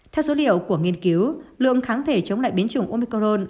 theo số liệu của nghiên cứu lượng kháng thể chống lại biến chủng omicron